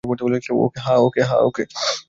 হ্যা, ওকে।